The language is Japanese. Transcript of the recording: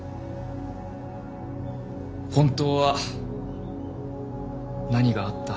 本当は何があった。